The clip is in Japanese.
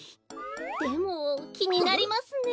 でもきになりますね。